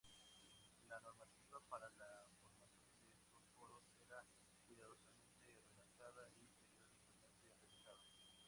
La normativa para la formación de estos coros era cuidadosamente redactada y periódicamente revisada.